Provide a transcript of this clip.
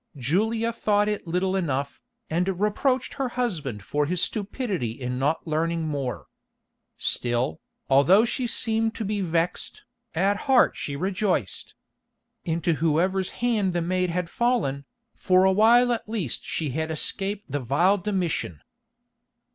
Julia thought it little enough, and reproached her husband for his stupidity in not learning more. Still, although she seemed to be vexed, at heart she rejoiced. Into whoever's hand the maid had fallen, for a while at least she had escaped the vile Domitian.